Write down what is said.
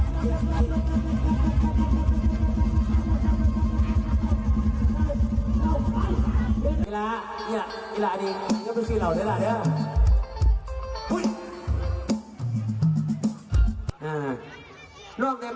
นี่ล่ะนี่ล่ะนี่ล่ะดีนี่เป็นสิ่งเหล่านั้นล่ะเดี๋ยว